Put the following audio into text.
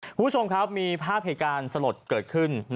คุณผู้ชมครับมีภาพเหตุการณ์สลดเกิดขึ้น